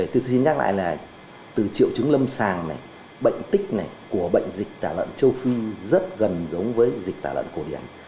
từ triệu chứng lâm sàng này bệnh tích này của bệnh dịch tả lợn châu phi rất gần giống với dịch tả lợn cổ điển